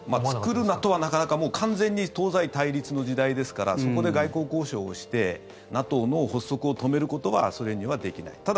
作るなとは、なかなかもう完全に東西対立の時代ですからそこで外交交渉をしてＮＡＴＯの発足を止めることはソ連にはできない。